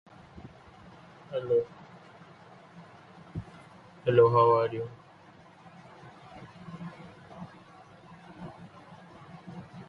There are vents to the gable facades.